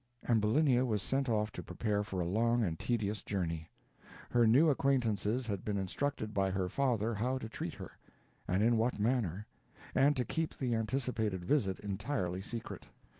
Ambulinia was sent off to prepare for a long and tedious journey. Her new acquaintances had been instructed by her father how to treat her, and in what manner, and to keep the anticipated visit entirely secret.